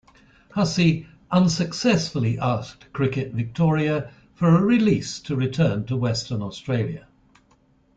Hussey unsuccessfully asked Cricket Victoria for a release to return to Western Australia.